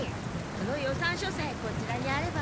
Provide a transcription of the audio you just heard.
この予算書さえこちらにあれば。